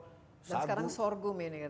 dan sekarang sorghum ini